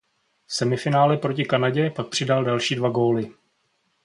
V semifinále proti Kanadě pak přidal další dva góly.